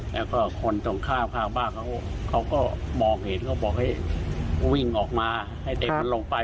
แล้วก็คนตรงข้ามข้างบ้านเขาก็มองเห็นเขาบอกให้วิ่งออกมาให้เด็กมันลงไป